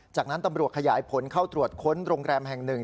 จากนั้นตำรวจขยายผลเข้าตรวจค้นโรงแรมแห่งหนึ่ง